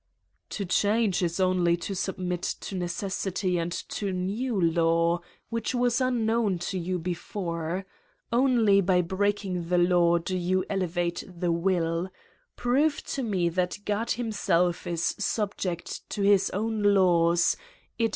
"To change is only to submit to necessity and to new law, which was unknown to you before. Only by breaking the law do you elevate the will. Prove to me that God himself is subject to his own laws, i.e.